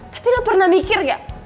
tapi lo pernah mikir gak